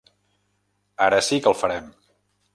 Ara sí que el farem.